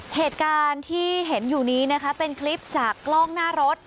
เหตุการณ์ที่เห็นอยู่นี้นะคะเป็นคลิปจากกล้องหน้ารถ